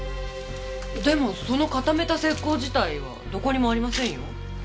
でもその固めた石膏自体はどこにもありませんよ。